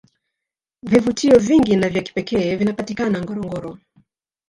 vvivutio vingi na vya kipekee vinapatikana ngorongoro